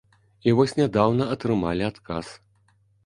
І вось нядаўна атрымалі адказ.